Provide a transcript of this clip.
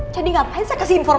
jadi ngapain saya kasih informasi